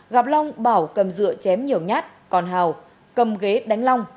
gặp long bảo cầm dựa chém nhiều nhát còn hào cầm ghế đánh long